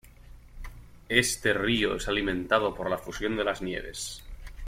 Este río es alimentado por la fusión de las nieves.